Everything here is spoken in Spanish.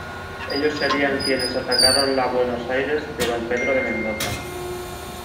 Ellos serían quienes atacaron la Buenos Aires de Don Pedro de Mendoza.